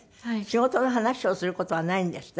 仕事の話をする事はないんですって？